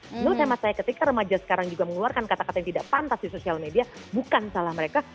menurut hemat saya ketika remaja sekarang juga mengeluarkan kata kata yang tidak pantas di sosial media bukan salah mereka